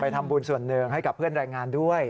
ไปทำบุญส่วนเนืองให้กับเพื่อนรายงานด้วย